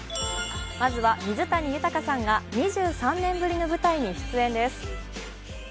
まずは、水谷豊さんが２３年ぶりの舞台に出演です。